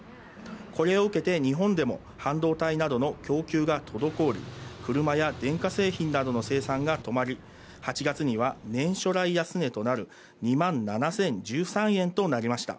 これを受けて日本でも半導体などの供給が滞り、車や電化製品などの生産が止まり、８月には年初来安値となる２万７０１３円となりました。